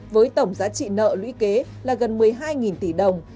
với tổng giá trị nợ lũy kế là gần một mươi hai tỷ đồng